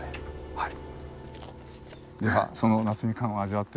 はい。